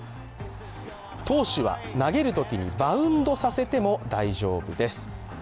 投手は投げる際にバウンドさせても大丈夫です。